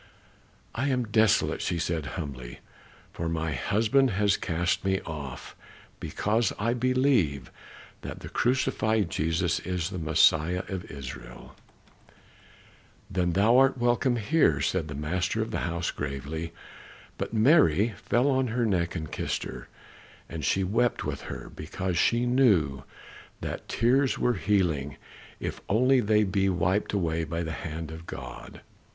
"I am desolate," she said humbly, "for my husband hath cast me off, because I believe that the crucified Jesus is the Messiah of Israel." "Then art thou welcome here," said the master of the house, gravely. But Mary fell on her neck and kissed her, and she wept with her, because she knew that tears are healing, if only they be wiped away by the hand of God.